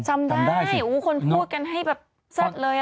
จำได้คนพูดกันให้แบบซัดเลยอ่ะตอนนี้